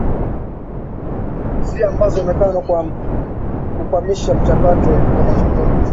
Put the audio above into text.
zi ambao unaonekana kukwamisha mchakato wa mazungumzo